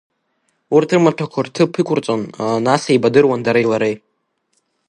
Урҭ рымаҭәақәа рҭыԥ иқәырҵон, нас еибадыруан дареи лареи.